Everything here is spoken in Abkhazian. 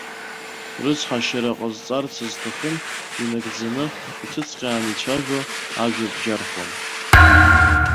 Рыцҳашьара ҟазҵарц зҭахым, инагӡаны, иҭыцҟьааны ицәажәо ажәа-бџьархон.